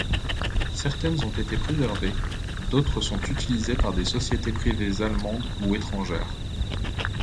Certaines ont été préservées, d'autres sont utilisées par des sociétés privées allemandes ou étrangères.